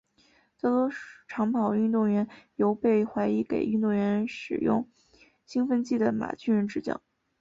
大多长跑运动员由被怀疑给运动员使用兴奋剂的马俊仁执教。